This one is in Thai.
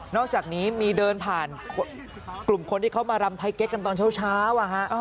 อกจากนี้มีเดินผ่านกลุ่มคนที่เขามารำไทยเก๊กกันตอนเช้า